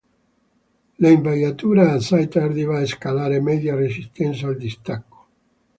L'invaiatura assai tardiva e scalare; media resistenza al distacco.